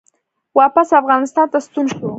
واپس افغانستان ته ستون شو